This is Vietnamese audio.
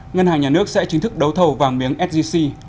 ngân hàng nhà nước sẽ chính thức đấu thầu vàng miếng sgc